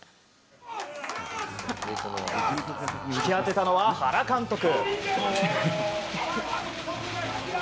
引き当てたのは原監督。